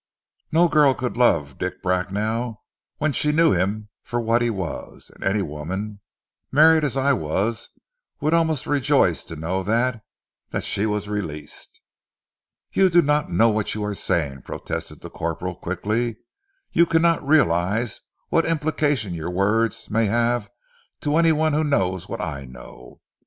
No girl could love Dick Bracknell when she knew him for what he was, and any woman, married as I was, would almost rejoice to know that that she was released." "You do not know what you are saying," protested the corporal quickly. "You cannot realize what implication your words may have to any one who knows what I know.